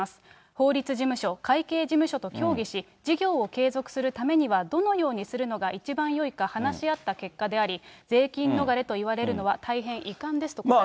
法律事務所、会計事務所と協議し、事業を継続するためにはどのようにするのが一番よいか話し合った結果であり、税金逃れといわれるのは大変遺憾ですと答えています。